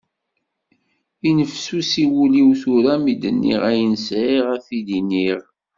Yennefsusi wul-iw tura mi d-nniɣ ayen sεiɣ ad t-id-iniɣ.